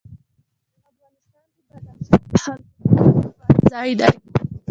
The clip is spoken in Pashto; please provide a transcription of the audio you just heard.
افغانستان کې بدخشان د خلکو د خوښې وړ ځای دی.